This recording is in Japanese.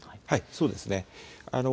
そうです。